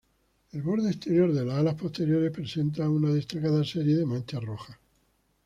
El borde exterior de las alas posteriores presenta una destacada serie de manchas rojas.